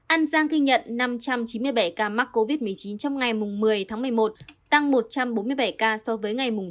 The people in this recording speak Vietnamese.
an giang ghi nhận năm trăm chín mươi bảy ca mắc covid một mươi chín trong ngày một mươi tháng một mươi một tăng một trăm bốn mươi bảy ca so với ngày ba mươi